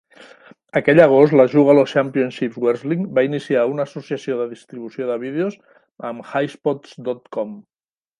Aquell agost, la Juggalo Championship Wrestling va iniciar una associació de distribució de vídeos amb HighSpots dot com.